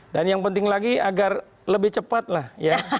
dan yang penting lagi agar lebih cepat lah ya